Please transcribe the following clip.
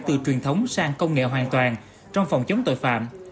từ truyền thống sang công nghệ hoàn toàn trong phòng chống tội phạm